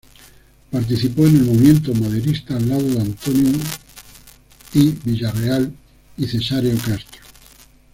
Participó en el movimiento maderista al lado de Antonio I. Villarreal y Cesáreo Castro.